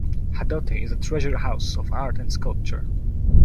Hadoti is a treasure house of art and sculpture.